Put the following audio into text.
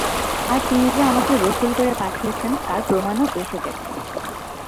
আর তিনি যে আমাকে রসূল করে পাঠিয়েছেন তার প্রমাণও এসে গেছে।